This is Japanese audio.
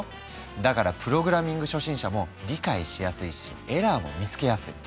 だからプログラミング初心者も理解しやすいしエラーも見つけやすい。